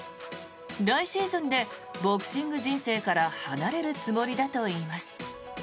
来シーズンでボクシング人生から離れるつもりだといいます。